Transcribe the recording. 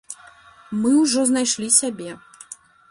Мы ўжо знайшлі сябе.